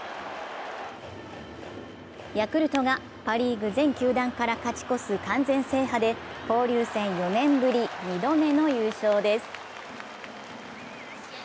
ヤクルトがパ・リーグ全球団から勝ち越す完全制覇で交流戦４年ぶり２度目の優勝です。